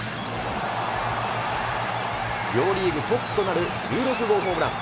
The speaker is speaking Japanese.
両リーグトップとなる１６号ホームラン。